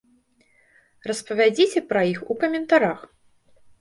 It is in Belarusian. Распавядзіце пра іх у каментарах!